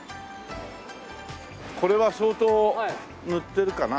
これは相当塗ってるかな？